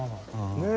ねえ。